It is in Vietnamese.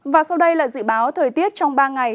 và sau đây là dự báo thời tiết trong ba ngày